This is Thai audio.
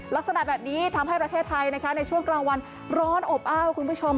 ลักษณะแบบนี้ทำให้ประเทศไทยนะคะในช่วงกลางวันร้อนอบอ้าวคุณผู้ชม